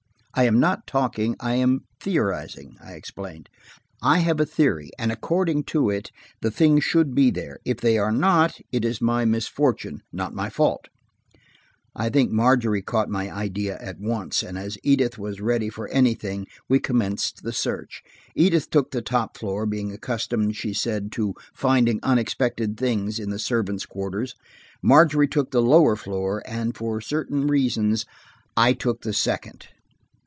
"I am not talking, I am theorizing," I explained. "I have a theory, and according to it the things should be here. If they are not, it is my misfortune, not my fault." I think Margery caught my idea at once, and as Edith was ready for anything, we commenced the search. Edith took the top floor, being accustomed, she said, to finding unexpected things in the servants' quarters; Margery took the lower floor, and for certain reasons I took the second.